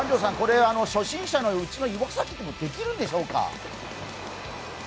初心者のうちの岩崎でもできるんでしょうか？